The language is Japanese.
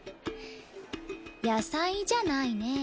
野菜じゃないね。